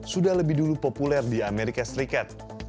sudah lebih dulu populer di amerika serikat